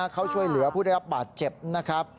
เข้าช่วยเหลือผู้ได้รับบาดเจ็บนะครับ